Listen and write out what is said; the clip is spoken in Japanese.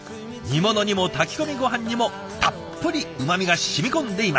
煮物にも炊き込みごはんにもたっぷりうまみがしみこんでいます。